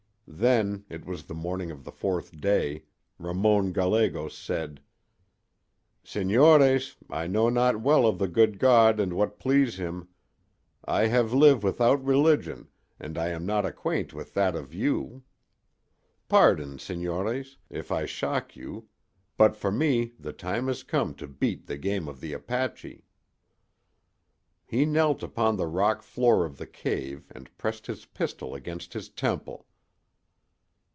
Then—it was the morning of the fourth day—Ramon Gallegos said: "'Senores, I know not well of the good God and what please him. I have live without religion, and I am not acquaint with that of you. Pardon, senores, if I shock you, but for me the time is come to beat the game of the Apache.' "He knelt upon the rock floor of the cave and pressed his pistol against his temple.